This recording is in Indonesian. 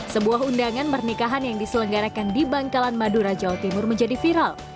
sebuah undangan pernikahan yang diselenggarakan di bangkalan madura jawa timur menjadi viral